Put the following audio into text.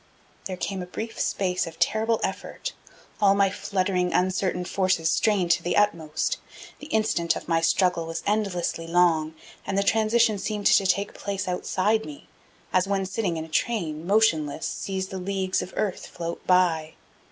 There came a brief space of terrible effort, all my fluttering, uncertain forces strained to the utmost. The instant of my struggle was endlessly long and the transition seemed to take place outside me as one sitting in a train, motionless, sees the leagues of earth float by.